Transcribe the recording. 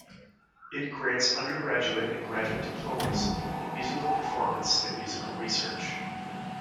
It grants undergraduate and graduate diplomas in musical performance and musical research.